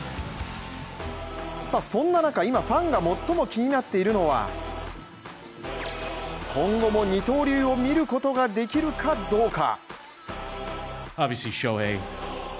そんな中、今、ファンが最も気になっているのは、今後も二刀流を見ることができるかどうか。